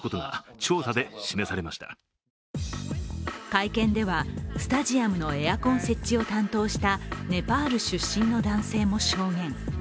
会見ではスタジアムのエアコン設置を担当したネパール出身の男性も証言。